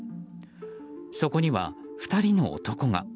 そこには２人の男が。